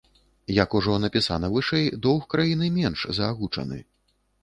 Як ужо напісана вышэй, доўг краіны менш за агучаны.